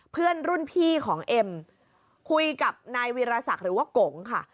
เพื่อนรุ่นพี่ของเอ็มคุยกับนายวีรศักดิ์หรือว่ากงค่ะ